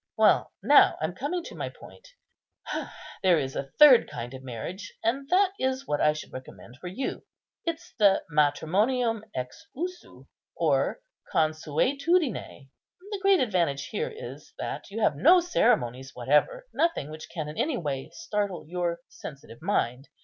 Well, now I'm coming to my point. There is a third kind of marriage, and that is what I should recommend for you. It's the matrimonium ex usu, or consuetudine; the great advantage here is, that you have no ceremonies whatever, nothing which can in any way startle your sensitive mind.